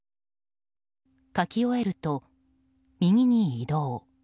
書き終えると、右に移動。